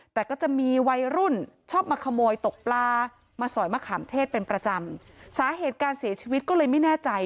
แต่ก็จะมีวัยรุ่นชอบมาขโมยตกปลามาสอยมะขามเทศเป็นประจำสาเหตุการเสียชีวิตก็เลยไม่แน่ใจ